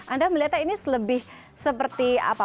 anda melihatnya ini lebih seperti apa